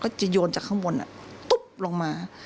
จะโยนจากข้างบนตุ๊บลงมา